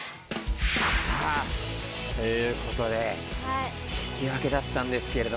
さあということで引き分けだったんですけれども。